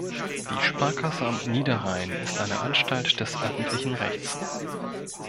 Die Sparkasse am Niederrhein ist eine Anstalt des öffentlichen Rechts.